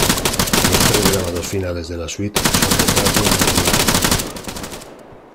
Los tres grabados finales de la suite son retratos de Vollard.